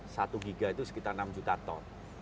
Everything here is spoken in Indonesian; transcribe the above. satu giga itu sekitar enam juta ton